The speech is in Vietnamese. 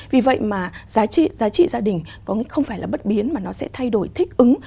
vì vậy mà giá trị gia đình có nghĩa không phải là bất biến mà nó sẽ thay đổi thích ứng